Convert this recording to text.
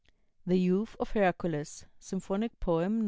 "THE YOUTH OF HERCULES," SYMPHONIC POEM No.